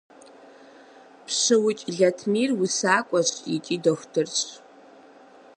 ПщыукӀ Латмир усакӀуэщ икӀи дохутырщ.